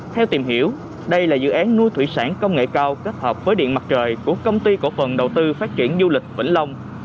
theo tìm hiểu đây là dự án nuôi thủy sản công nghệ cao kết hợp với điện mặt trời của công ty cổ phần đầu tư phát triển du lịch vĩnh long